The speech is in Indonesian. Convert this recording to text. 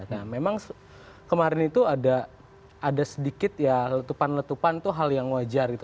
nah memang kemarin itu ada sedikit ya letupan letupan itu hal yang wajar gitu